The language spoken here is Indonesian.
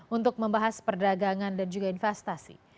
untuk membahas perdagangan dan juga investasi